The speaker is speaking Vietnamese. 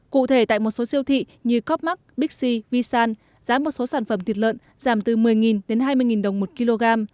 cụ thể tại một số siêu thị như copmark bixi wisan giá một số sản phẩm thịt lợn giảm từ một mươi đến hai mươi đồng một kg